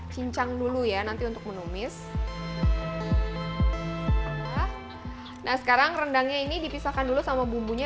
cincang dulu ya nanti untuk menumis nah sekarang rendangnya ini dipisahkan dulu sama bumbunya